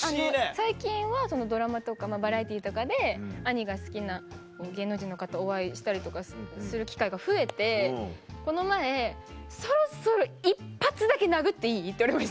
最近はドラマとかバラエティーとかで兄が好きな芸能人の方お会いしたりとかする機会が増えてこの前「そろそろ１発だけ殴っていい？」って言われました。